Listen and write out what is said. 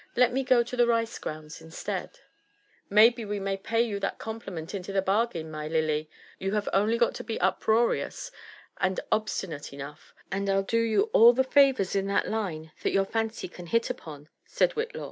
Let me go to the lice grounds instead I" '* Maybe we may pay you that compliment into the bargaii^ my Vdy ; you have only got to be uprearioua and ebstinste enough, and it JONATHAN JBPFER80N WIUTLAW. 99 I'll do you all the favours io that line that your fancy can bit upon /' vaid Whitlaw.